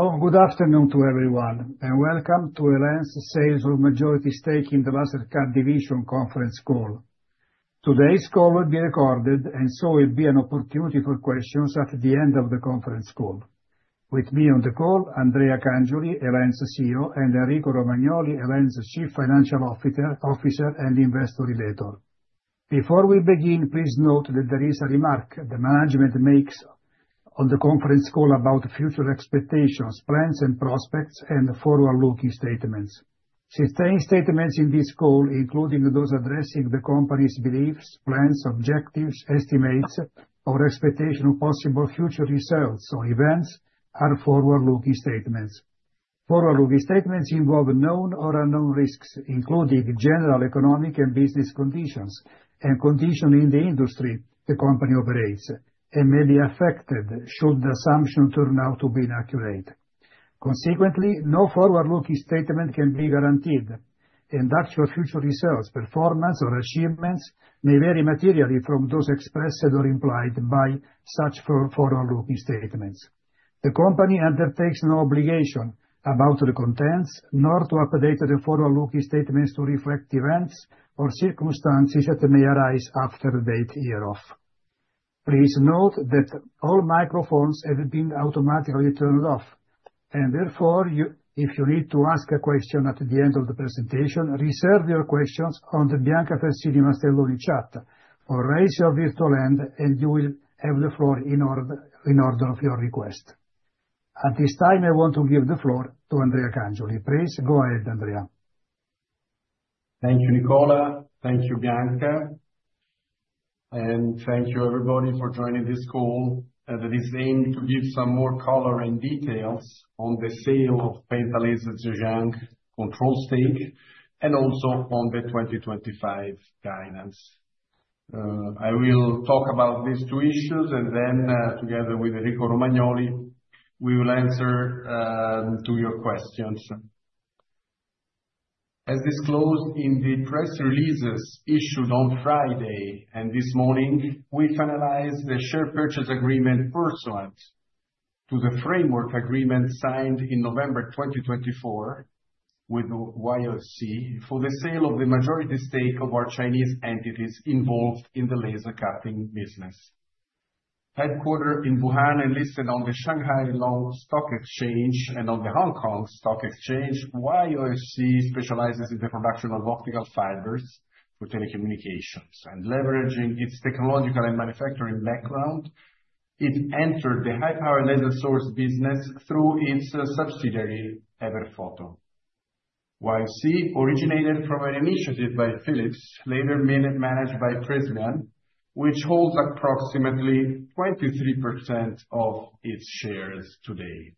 Good afternoon to everyone, and welcome to El.En.'s Sales of Majority Stake in the Laser Cutting Division Conference Call. Today's call will be recorded, and so it will be an opportunity for questions at the end of the conference call. With me on the call, Andrea Cangioli, El.En. CEO, and Enrico Romagnoli, El.En. Chief Financial Officer and Investor Relator. Before we begin, please note that there is a remark the management makes on the conference call about future expectations, plans, and prospects, and forward-looking statements. Certain statements in this call, including those addressing the company's beliefs, plans, objectives, estimates, or expectation of possible future results or events, are forward-looking statements. Forward-looking statements involve known or unknown risks, including general economic and business conditions and conditions in the industry the company operates, and may be affected should the assumption turn out to be inaccurate. Consequently, no forward-looking statement can be guaranteed, and actual future results, performance, or achievements may vary materially from those expressed or implied by such forward-looking statements. The company undertakes no obligation about the contents, nor to update the forward-looking statements to reflect events or circumstances that may arise after the date hereof. Please note that all microphones have been automatically turned off, and therefore, if you need to ask a question at the end of the presentation, reserve your questions on the Bianca Fersini Mastelloni chat or raise your virtual hand, and you will have the floor in order of your request. At this time, I want to give the floor to Andrea Cangioli. Please go ahead, Andrea. Thank you, Nicola. Thank you, Bianca. Thank you, everybody, for joining this call that is aimed to give some more color and details on the sale of Penta Laser Zhejiang control stake and also on the 2025 guidance. I will talk about these two issues, and then, together with Enrico Romagnoli, we will answer your questions. As disclosed in the press releases issued on Friday and this morning, we finalized the share purchase agreement pursuant to the framework agreement signed in November 2024 with YOFC for the sale of the majority stake of our Chinese entities involved in the laser cutting business. Headquartered in Wuhan and listed on the Shanghai Stock Exchange and on the Hong Kong Stock Exchange, YOFC specializes in the production of optical fibers for telecommunications. Leveraging its technological and manufacturing background, it entered the high-power laser source business through its subsidiary, Everfoton. YOFC originated from an initiative by Philips, later managed by Prysmian, which holds approximately 23% of its shares today.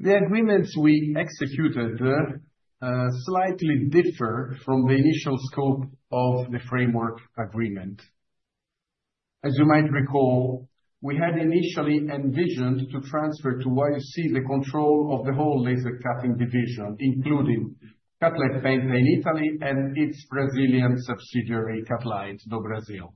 The agreements we executed slightly differ from the initial scope of the framework agreement. As you might recall, we had initially envisioned to transfer to YOFC the control of the whole laser cutting division, including Cutlite Penta in Italy and its Brazilian subsidiary, Cutlite do Brasil.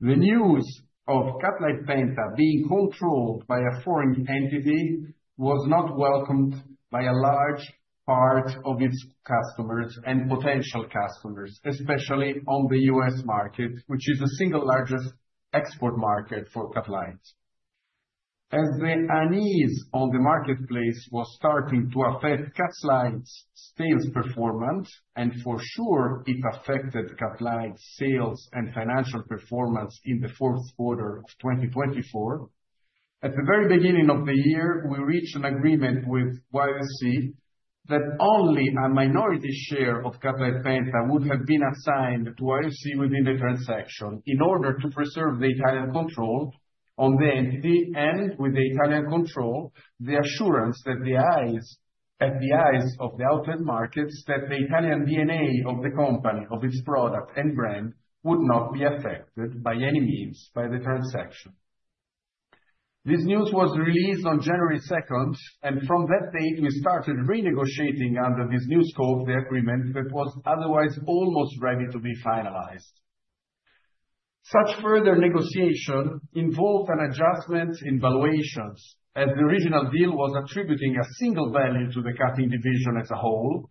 The news of Cutlite Penta being controlled by a foreign entity was not welcomed by a large part of its customers and potential customers, especially on the U.S. market, which is the single largest export market for Cutlite. As the unease on the marketplace was starting to affect Cutlite's sales performance, and for sure it affected Cutlite's sales and financial performance in the fourth quarter of 2024, at the very beginning of the year, we reached an agreement with YOFC that only a minority share of Cutlite Penta would have been assigned to YOFC within the transaction in order to preserve the Italian control on the entity and, with the Italian control, the assurance at the eyes of the outlet markets that the Italian DNA of the company, of its product and brand, would not be affected by any means by the transaction. This news was released on January 2nd, and from that date, we started renegotiating under this new scope, the agreement that was otherwise almost ready to be finalized. Such further negotiation involved an adjustment in valuations, as the original deal was attributing a single value to the cutting division as a whole,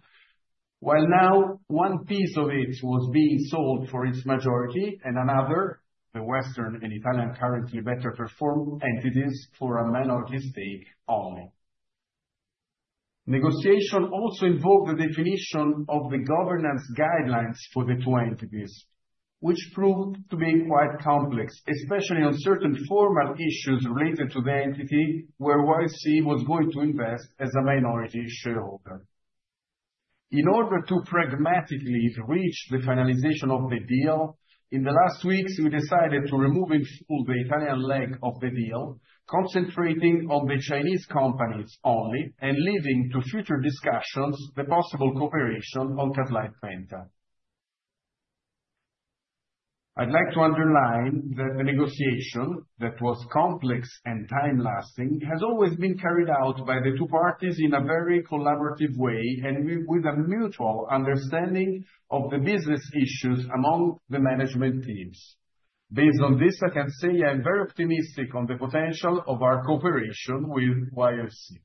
while now one piece of it was being sold for its majority and another, the Western and Italian currently better-performed entities, for a minority stake only. Negotiation also involved the definition of the governance guidelines for the two entities, which proved to be quite complex, especially on certain formal issues related to the entity where YOFC was going to invest as a minority shareholder. In order to pragmatically reach the finalization of the deal, in the last weeks, we decided to remove in full the Italian leg of the deal, concentrating on the Chinese companies only and leaving to future discussions the possible cooperation on Cutlite Penta. I'd like to underline that the negotiation, that was complex and time-lasting, has always been carried out by the two parties in a very collaborative way and with a mutual understanding of the business issues among the management teams. Based on this, I can say I'm very optimistic on the potential of our cooperation with YOFC.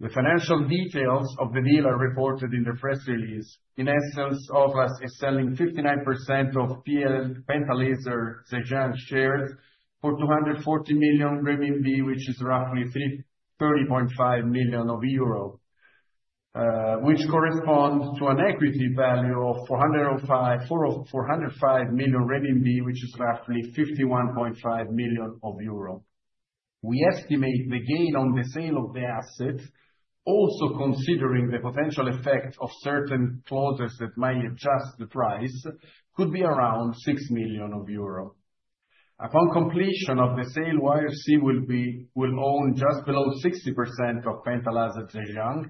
The financial details of the deal are reported in the press release. In essence, Ot-las is selling 59% of Penta Laser Zhejiang shares for 240 million RMB, which is roughly 30.5 million euro, which corresponds to an equity value of 405 million RMB, which is roughly 51.5 million euro. We estimate the gain on the sale of the asset, also considering the potential effect of certain clauses that might adjust the price, could be around 6 million euro. Upon completion of the sale, YOFC will own just below 60% of Penta Laser Zhejiang,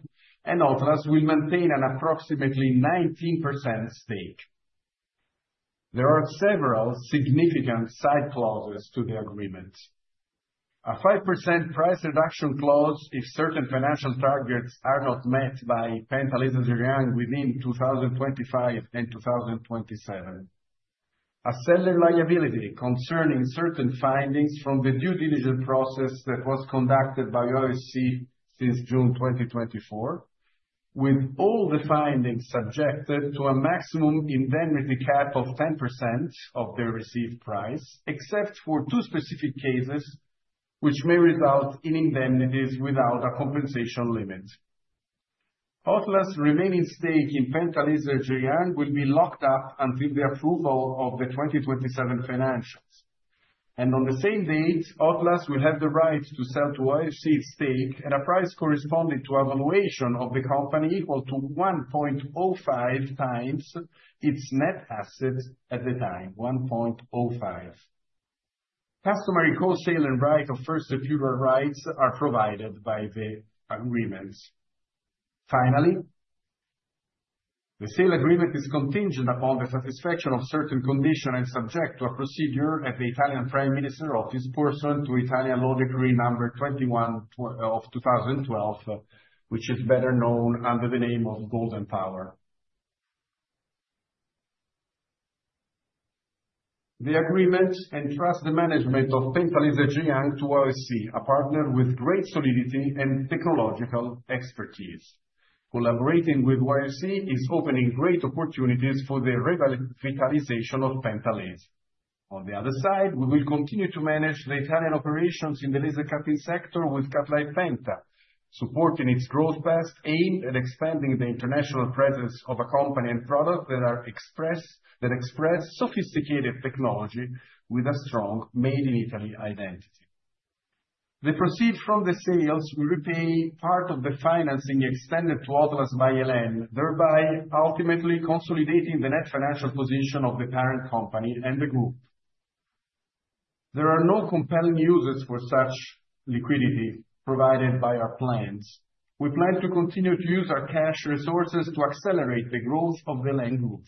and Ot-las will maintain an approximately 19% stake. There are several significant side clauses to the agreement: a 5% price reduction clause if certain financial targets are not met by Penta Laser Zhejiang within 2025 and 2027, a seller liability concerning certain findings from the due diligence process that was conducted by YOFC since June 2024, with all the findings subjected to a maximum indemnity cap of 10% of their received price, except for two specific cases which may result in indemnities without a compensation limit. Ot-las's remaining stake in Penta Laser Zhejiang will be locked up until the approval of the 2027 financials. On the same date, Ot-las will have the right to sell to YOFC its stake at a price corresponding to a valuation of the company equal to 1.05x its net asset at the time, 1.05. Customary co-sale and right of first refusal rights are provided by the agreements. Finally, the sale agreement is contingent upon the satisfaction of certain conditions and subject to a procedure at the Italian Prime Minister's office pursuant to Italian Law Decree No. 21 of 2012, which is better known under the name of Golden Power. The agreement entrusts the management of Penta Laser Zhejiang to YOFC, a partner with great solidity and technological expertise. Collaborating with YOFC is opening great opportunities for the revitalization of Penta Laser. On the other side, we will continue to manage the Italian operations in the laser cutting sector with Cutlite Penta, supporting its growth best, aimed at expanding the international presence of a company and product that express sophisticated technology with a strong made-in-Italy identity. The proceeds from the sales will repay part of the financing extended to Ot-las by El.En., thereby ultimately consolidating the net financial position of the parent company and the group. There are no compelling uses for such liquidity provided by our plans. We plan to continue to use our cash resources to accelerate the growth of the El.En.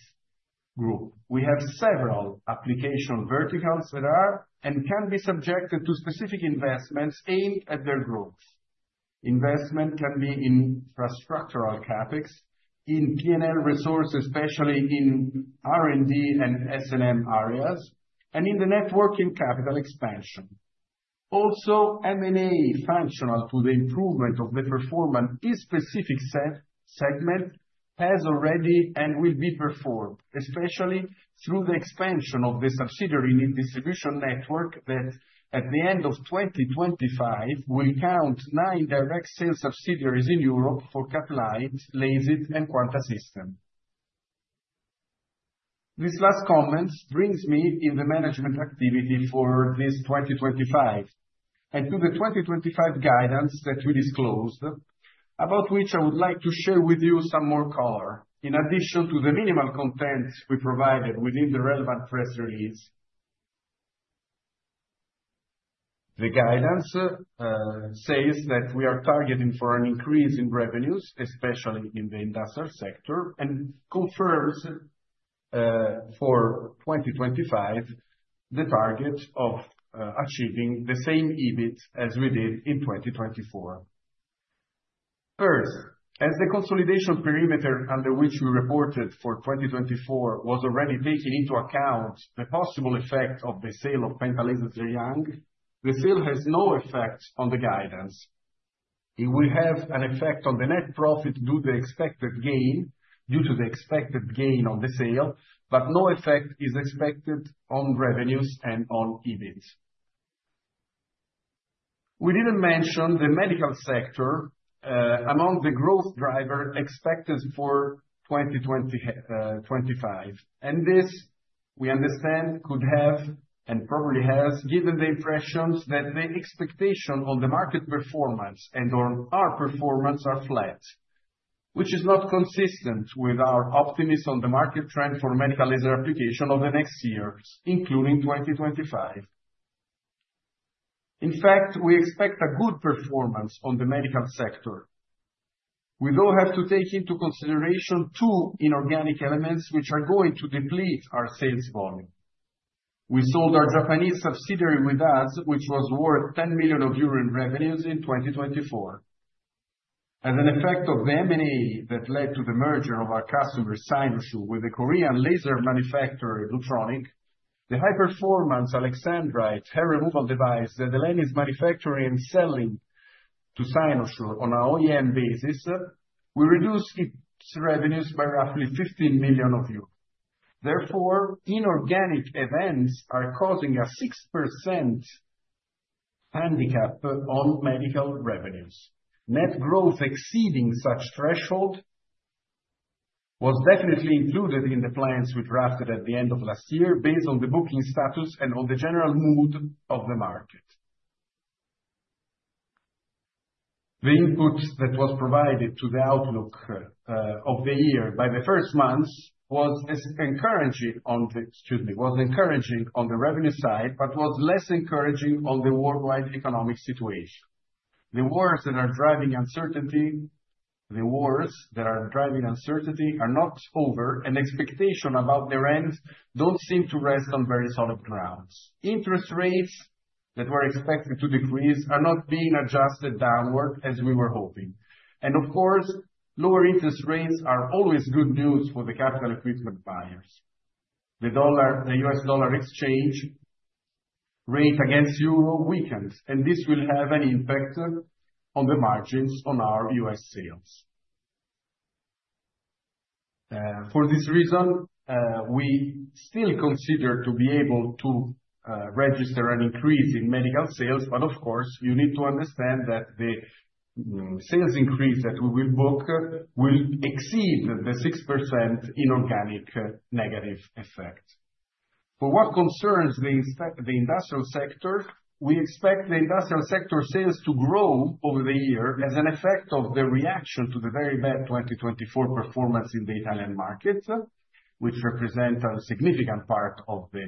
group. We have several application verticals that are and can be subjected to specific investments aimed at their growth. Investment can be in infrastructural CapEx, in P&L resources, especially in R&D and S&M areas, and in the net working capital expansion. Also, M&A functional to the improvement of the performance in a specific segment has already and will be performed, especially through the expansion of the subsidiary distribution network that at the end of 2025 will count nine direct sales subsidiaries in Europe for Cutlite, Lasit, and Quanta System. This last comment brings me in the management activity for this 2025 and to the 2025 guidance that we disclosed, about which I would like to share with you some more color, in addition to the minimal contents we provided within the relevant press release. The guidance says that we are targeting for an increase in revenues, especially in the industrial sector, and confirms for 2025 the target of achieving the same EBIT as we did in 2024. First, as the consolidation perimeter under which we reported for 2024 was already taking into account the possible effect of the sale of Penta Laser Zhejiang, the sale has no effect on the guidance. It will have an effect on the net profit due to the expected gain on the sale, but no effect is expected on revenues and on EBIT. We did not mention the medical sector among the growth driver expected for 2025. This, we understand, could have and probably has given the impressions that the expectation on the market performance and on our performance are flat, which is not consistent with our optimism on the market trend for medical laser application of the next years, including 2025. In fact, we expect a good performance on the medical sector. We do have to take into consideration two inorganic elements which are going to deplete our sales volume. We sold our Japanese subsidiary With Us, which was worth 10 million euro in revenues in 2024. As an effect of the M&A that led to the merger of our customer Cynosure with the Korean laser manufacturer Lutronic, the high-performance alexandrite hair removal device that El.En. is manufacturing and selling to Cynosure on an OEM basis, we reduced its revenues by roughly 15 million euros. Therefore, inorganic events are causing a 6% handicap on medical revenues. Net growth exceeding such threshold was definitely included in the plans we drafted at the end of last year based on the booking status and on the general mood of the market. The input that was provided to the outlook of the year by the first months was encouraging on the revenue side, but was less encouraging on the worldwide economic situation. The wars that are driving uncertainty, the wars that are driving uncertainty are not over, and expectations about their end do not seem to rest on very solid grounds. Interest rates that were expected to decrease are not being adjusted downward as we were hoping. Of course, lower interest rates are always good news for the capital equipment buyers. The U.S. dollar exchange rate against euro weakened, and this will have an impact on the margins on our U.S. sales. For this reason, we still consider to be able to register an increase in medical sales, but of course, you need to understand that the sales increase that we will book will exceed the 6% inorganic negative effect. For what concerns the industrial sector, we expect the industrial sector sales to grow over the year as an effect of the reaction to the very bad 2024 performance in the Italian market, which represents a significant part of the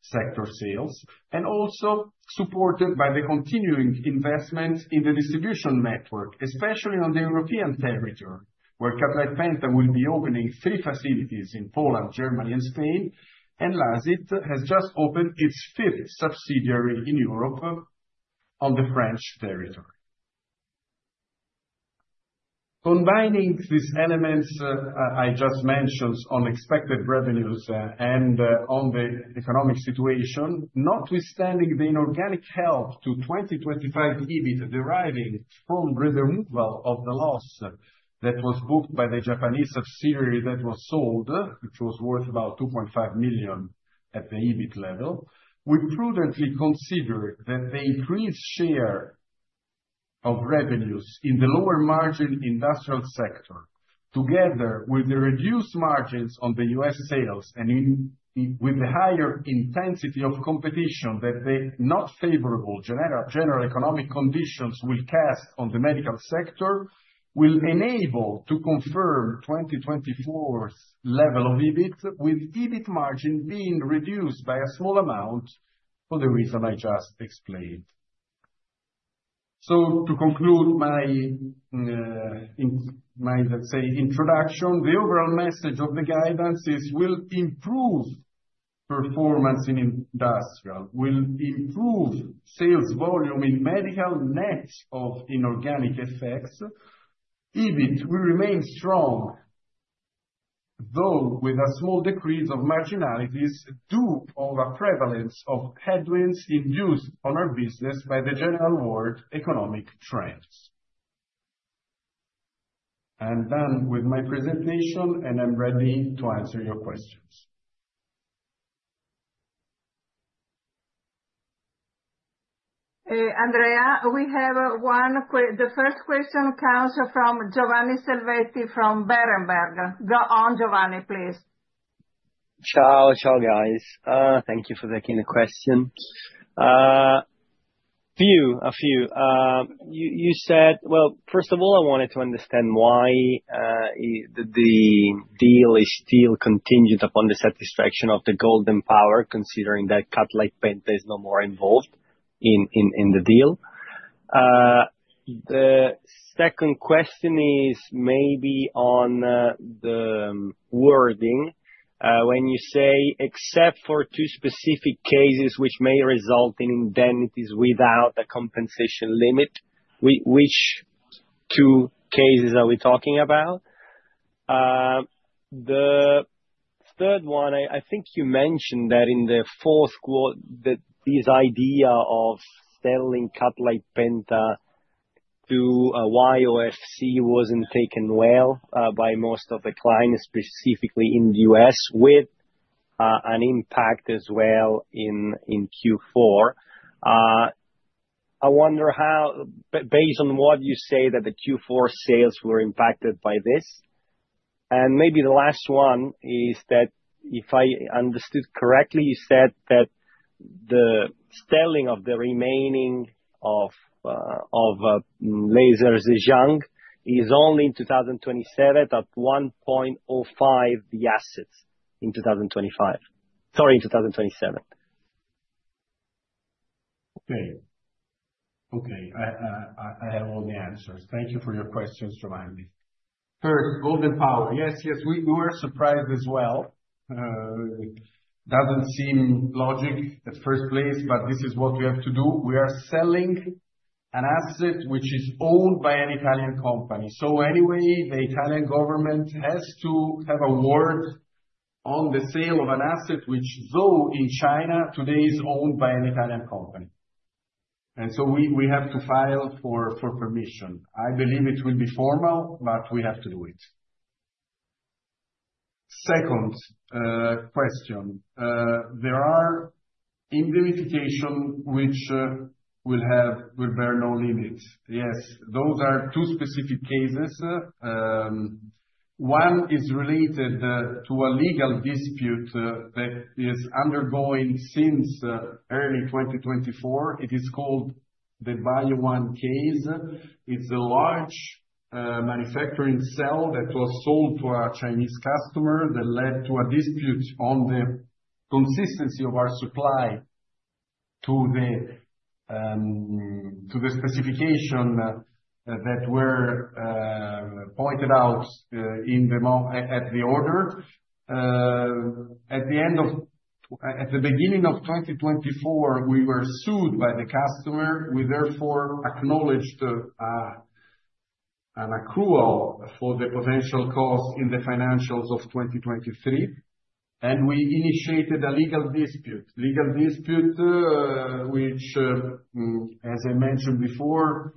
sector sales, and also supported by the continuing investment in the distribution network, especially on the European territory, where Cutlite Penta will be opening three facilities in Poland, Germany, and Spain, and Lasit has just opened its fifth subsidiary in Europe on the French territory. Combining these elements I just mentioned on expected revenues and on the economic situation, notwithstanding the inorganic help to 2025 EBIT deriving from removal of the loss that was booked by the Japanese subsidiary that was sold, which was worth about 2.5 million at the EBIT level, we prudently consider that the increased share of revenues in the lower margin industrial sector, together with the reduced margins on the US sales and with the higher intensity of competition that the not favorable general economic conditions will cast on the medical sector, will enable to confirm 2024's level of EBIT, with EBIT margin being reduced by a small amount for the reason I just explained. To conclude my, let's say, introduction, the overall message of the guidance is we'll improve performance in industrial, we'll improve sales volume in medical net of inorganic effects, EBIT will remain strong, though with a small decrease of marginalities due to the prevalence of headwinds induced on our business by the general world economic trends. Done with my presentation, and I'm ready to answer your questions. Andrea, we have one question. The first question comes from Giovanni Selvetti from Berenberg. Go on, Giovanni, please. Ciao, ciao, guys. Thank you for taking the question. A few, a few. You said, first of all, I wanted to understand why the deal is still contingent upon the satisfaction of the Golden Power, considering that Cutlite Penta is no more involved in the deal. The second question is maybe on the wording. When you say, except for two specific cases which may result in indemnities without a compensation limit, which two cases are we talking about? The third one, I think you mentioned that in the fourth quarter, that this idea of selling Cutlite Penta to YOFC wasn't taken well by most of the clients, specifically in the US, with an impact as well in Q4. I wonder how, based on what you say, that the Q4 sales were impacted by this. Maybe the last one is that if I understood correctly, you said that the selling of the remaining of Penta Laser Zhejiang is only in 2027 at 1.05 the assets in 2025. Sorry, in 2027. Okay. Okay. I have all the answers. Thank you for your questions, Giovanni. First, Golden Power. Yes, yes, we were surprised as well. Doesn't seem logic at first place, but this is what we have to do. We are selling an asset which is owned by an Italian company. Anyway, the Italian government has to have a word on the sale of an asset which, though in China, today is owned by an Italian company. We have to file for permission. I believe it will be formal, but we have to do it. Second question. There are indemnification which will bear no limit. Yes, those are two specific cases. One is related to a legal dispute that is undergoing since early 2024. It is called the Baoyuan case. It's a large manufacturing cell that was sold to our Chinese customer that led to a dispute on the consistency of our supply to the specification that were pointed out at the order. At the beginning of 2024, we were sued by the customer. We therefore acknowledged an accrual for the potential cost in the financials of 2023. We initiated a legal dispute, which, as I mentioned before,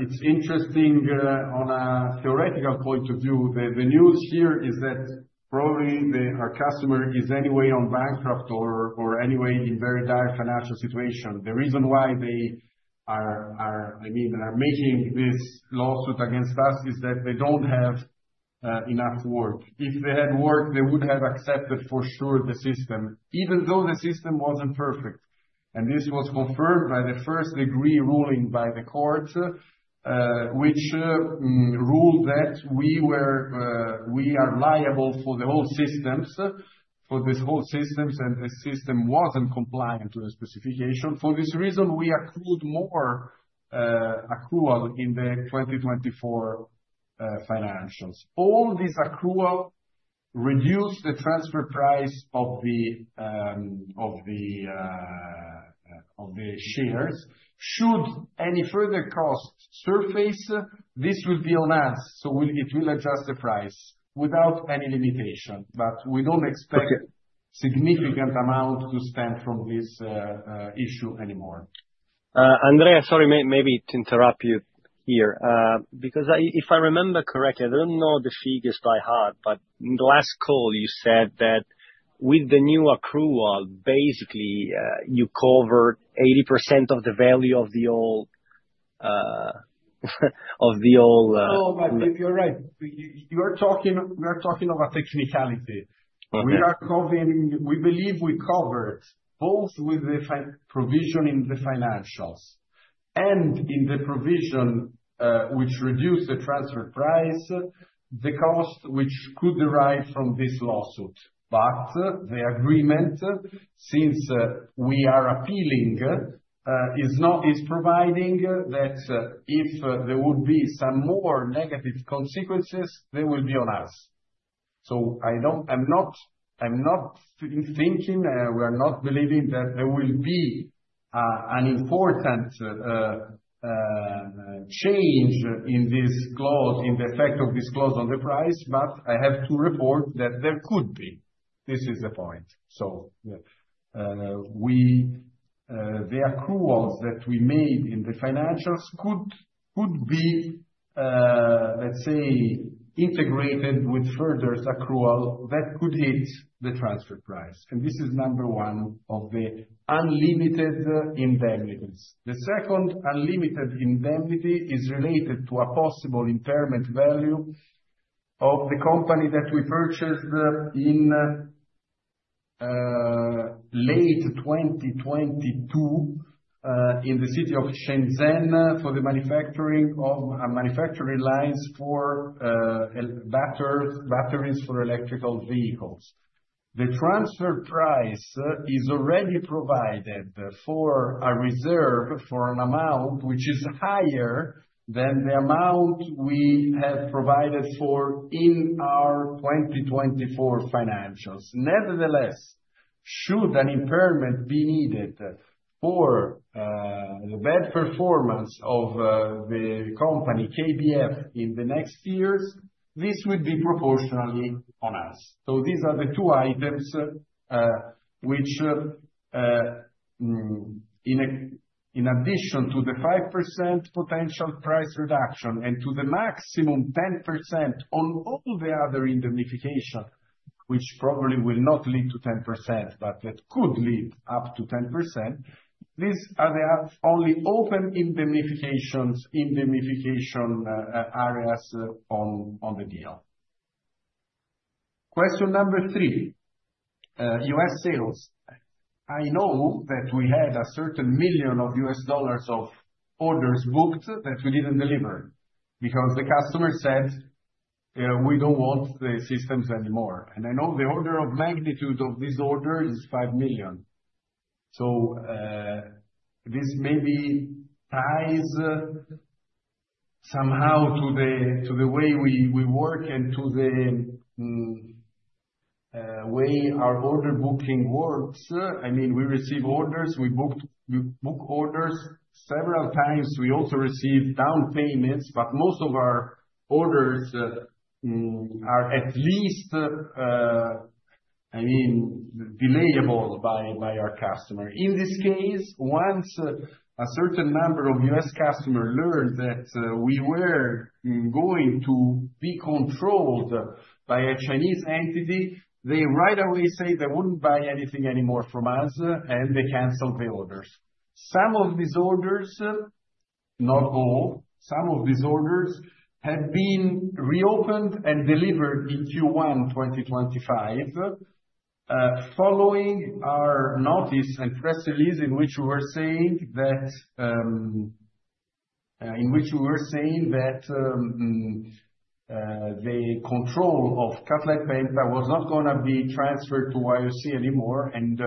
is interesting on a theoretical point of view. The news here is that probably our customer is anyway on bankrupt or anyway in very dire financial situation. The reason why they are, I mean, are making this lawsuit against us is that they do not have enough work. If they had work, they would have accepted for sure the system, even though the system was not perfect. This was confirmed by the first degree ruling by the court, which ruled that we are liable for the whole systems, for this whole systems, and the system was not compliant to the specification. For this reason, we accrued more accrual in the 2024 financials. All this accrual reduced the transfer price of the shares. Should any further cost surface, this will be on us. It will adjust the price without any limitation. We do not expect significant amount to stem from this issue anymore. Andrea, sorry, maybe to interrupt you here, because if I remember correctly, I do not know the figures by heart, but in the last call, you said that with the new accrual, basically, you covered 80% of the value of the old. Oh, but you are right. We are talking about technicality. We believe we covered both with the provision in the financials and in the provision which reduced the transfer price, the cost which could derive from this lawsuit. The agreement, since we are appealing, is providing that if there would be some more negative consequences, they will be on us. I'm not thinking, we are not believing that there will be an important change in this clause, in the effect of this clause on the price, but I have to report that there could be. This is the point. The accruals that we made in the financials could be, let's say, integrated with further accrual that could hit the transfer price. This is number one of the unlimited indemnities. The second unlimited indemnity is related to a possible impairment value of the company that we purchased in late 2022 in the city of Shenzhen for the manufacturing of manufacturing lines for batteries for electrical vehicles. The transfer price is already provided for a reserve for an amount which is higher than the amount we have provided for in our 2024 financials. Nevertheless, should an impairment be needed for the bad performance of the company KBF in the next years, this would be proportionally on us. These are the two items which, in addition to the 5% potential price reduction and to the maximum 10% on all the other indemnification, which probably will not lead to 10%, but that could lead up to 10%, these are the only open indemnification areas on the deal. Question number three, U.S. sales. I know that we had a certain million of U.S. dollars of orders booked that we did not deliver because the customer said, "We do not want the systems anymore." I know the order of magnitude of this order is $5 million. This maybe ties somehow to the way we work and to the way our order booking works. I mean, we receive orders. We book orders several times. We also receive down payments, but most of our orders are at least, I mean, delayable by our customer. In this case, once a certain number of US customers learned that we were going to be controlled by a Chinese entity, they right away say they wouldn't buy anything anymore from us, and they cancel the orders. Some of these orders, not all, some of these orders have been reopened and delivered in Q1 2025 following our notice and press release in which we were saying that the control of Cutlite Penta was not going to be transferred to YOFC anymore, and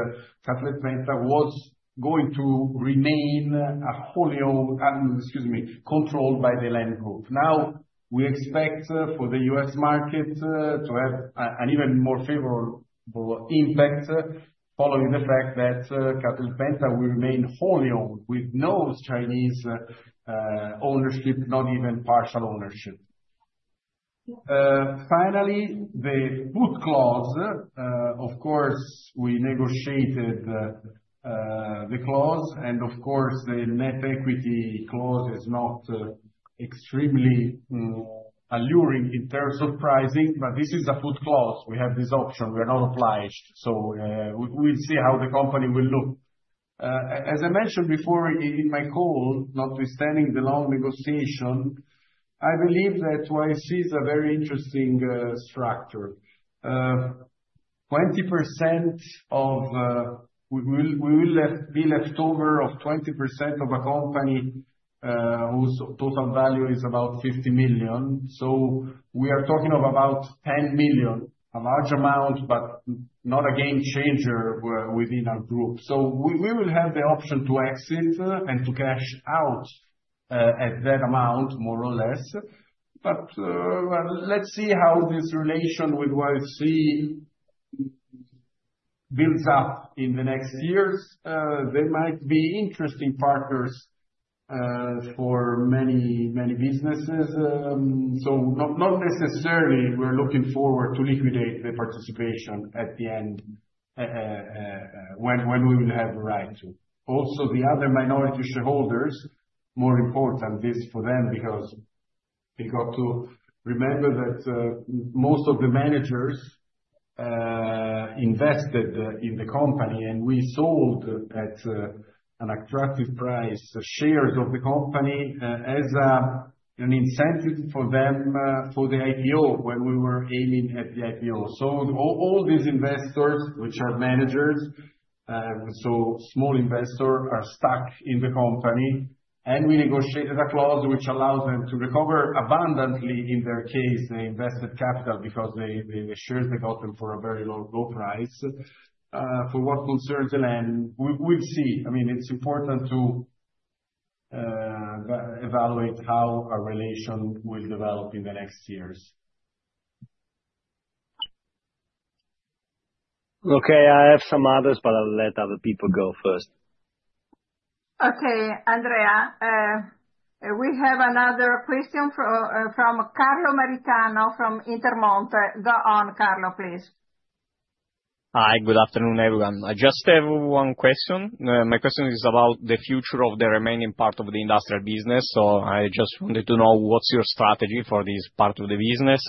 Cutlite Penta was going to remain wholly owned, excuse me, controlled by the El.En. Group. Now, we expect for the US market to have an even more favorable impact following the fact that Cutlite Penta will remain wholly owned with no Chinese ownership, not even partial ownership. Finally, the put clause, of course, we negotiated the clause, and of course, the net equity clause is not extremely alluring in terms of pricing, but this is a put clause. We have this option. We are not obliged. We will see how the company will look. As I mentioned before in my call, notwithstanding the long negotiation, I believe that YOFC is a very interesting structure. 20% of we will be left over of 20% of a company whose total value is about 50 million. We are talking of about 10 million, a large amount, but not a game changer within our group. We will have the option to exit and to cash out at that amount, more or less. Let's see how this relation with YOFC builds up in the next years. They might be interesting partners for many businesses. Not necessarily we're looking forward to liquidate the participation at the end when we will have the right to. Also, the other minority shareholders, more important is for them because we got to remember that most of the managers invested in the company, and we sold at an attractive price shares of the company as an incentive for them for the IPO when we were aiming at the IPO. All these investors, which are managers, so small investors are stuck in the company. We negotiated a clause which allows them to recover abundantly in their case. They invested capital because the shares they got them for a very low price. For what concerns the El.En., we'll see. I mean, it's important to evaluate how our relation will develop in the next years. Okay. I have some others, but I'll let other people go first. Okay. Andrea, we have another question from Carlo Maritano from Intermonte. Go on, Carlo, please. Hi. Good afternoon, everyone. I just have one question. My question is about the future of the remaining part of the industrial business. So I just wanted to know what's your strategy for this part of the business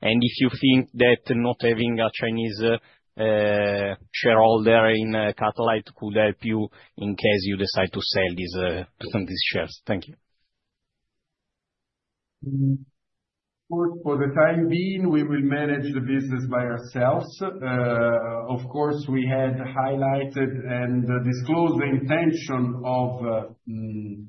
and if you think that not having a Chinese shareholder in Cutlite could help you in case you decide to sell these shares. Thank you. For the time being, we will manage the business by ourselves. Of course, we had highlighted and disclosed the intention of finding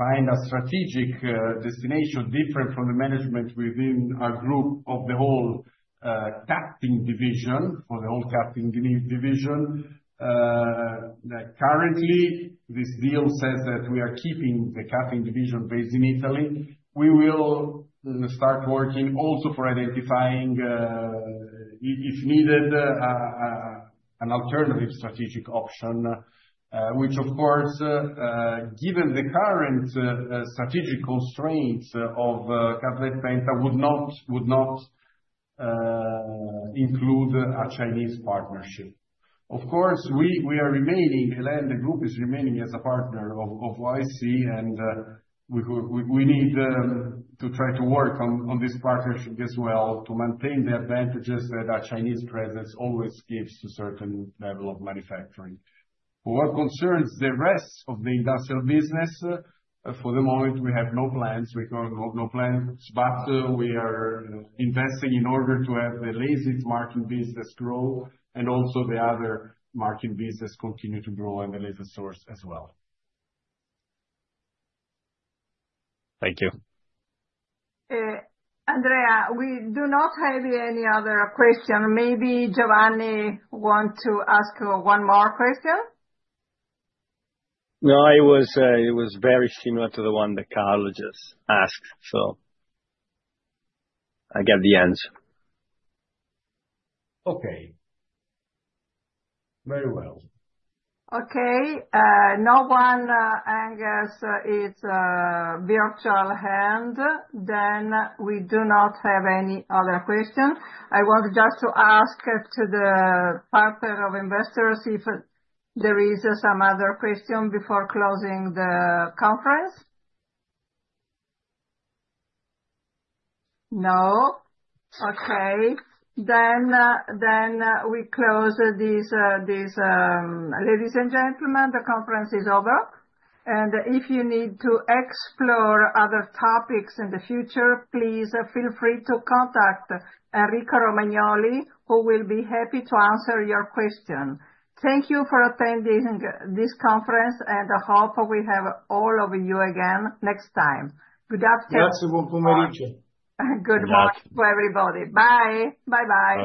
a strategic destination different from the management within our group of the whole cutting division, for the whole cutting division. Currently, this deal says that we are keeping the cutting division based in Italy. We will start working also for identifying, if needed, an alternative strategic option, which, of course, given the current strategic constraints of Cutlite Penta, would not include a Chinese partnership. Of course, we are remaining, and the group is remaining as a partner of YOFC, and we need to try to work on this partnership as well to maintain the advantages that our Chinese presence always gives to a certain level of manufacturing. For what concerns the rest of the industrial business, for the moment, we have no plans. We have no plans, but we are investing in order to have the Lasit marking business grow and also the other marking business continue to grow and the Lasit stores as well. Thank you. Andrea, we do not have any other question. Maybe Giovanni wants to ask one more question. No, it was very similar to the one that Carlo just asked, so I got the answer. Okay. Very well. Okay. No one raises its virtual hand. We do not have any other questions. I want just to ask the parterre of investors if there is some other question before closing the conference. No? Okay. We close this, ladies and gentlemen. The conference is over. If you need to explore other topics in the future, please feel free to contact Enrico Romagnoli, who will be happy to answer your question. Thank you for attending this conference, and I hope we have all of you again next time. Good afternoon. Good morning to everybody. Bye. Bye-bye.